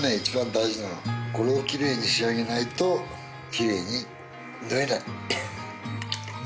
大事なのこれをきれいに仕上げないときれいに縫えない